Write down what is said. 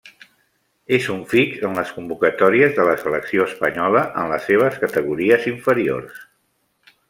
És un fix en les convocatòries de la selecció espanyola en les seves categories inferiors.